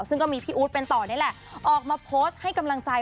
ซึ่งก็มีพี่อู๊ดเป็นต่อนี่แหละออกมาโพสต์ให้กำลังใจ